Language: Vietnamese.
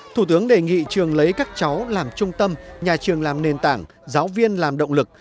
thủ tướng đề nghị trường lấy các cháu làm trung tâm nhà trường làm nền tảng giáo viên làm động lực